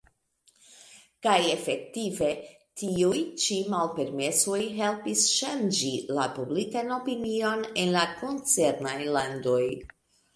Kaj efektive tiuj ĉi malpermesoj helpis ŝanĝi la publikan opinion en la koncernaj landoj.